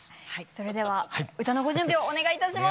それでは歌のご準備をお願いいたします。